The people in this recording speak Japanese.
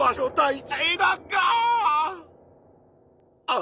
あ！